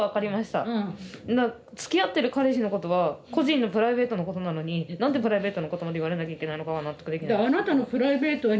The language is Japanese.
つきあってる彼氏のことは個人のプライベートなことなのに何でプライベートなことまで言われなきゃいけないのかが納得できないです。